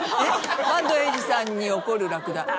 板東英二さんに怒るラクダ。